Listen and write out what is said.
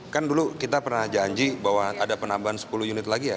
kan dulu kita pernah janji bahwa ada penambahan sepuluh unit lagi ya